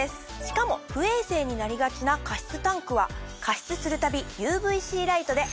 しかも不衛生になりがちな加湿タンクは加湿するたびＵＶーＣライトで。